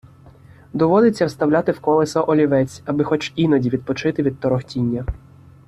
Доводиться вставляти в колесо олівець, аби хоч іноді відпочити від торохтіння.